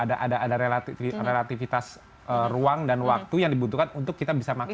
ada relatifitas ruang dan waktu yang dibutuhkan untuk kita bisa makan